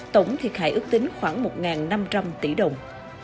tổng thiệt hại ước tính khoảng một năm trăm linh tỷ đồng